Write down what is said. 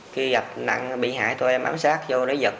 khi gặp nạn bị hại tụi em ám sát vô lấy giật